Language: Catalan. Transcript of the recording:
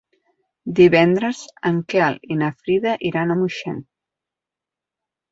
Divendres en Quel i na Frida iran a Moixent.